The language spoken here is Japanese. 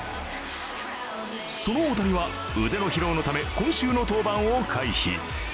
その大谷は腕の疲労のため今週の登板を回避。